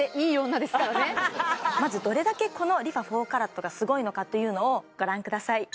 まずどれだけこのＲｅＦａ４ＣＡＲＡＴがすごいのかというのをご覧ください